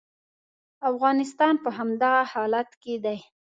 افغانستان په همدغه حالت کې دی.